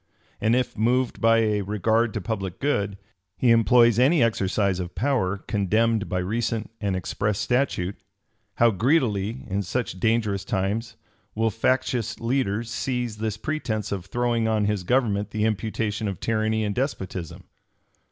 And if, moved by a regard to public good, he employs any exercise of power condemned by recent and express statute, how greedily, in such dangerous times, will factious leaders seize this pretence of throwing on his government the imputation of tyranny and despotism!